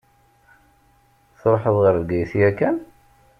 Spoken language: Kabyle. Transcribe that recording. Tṛuḥeḍ ɣer Bgayet yakan?